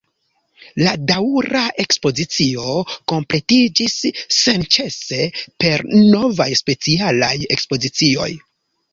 La daŭra ekspozicio kompletiĝis senĉese per novaj specialaj ekspozicioj.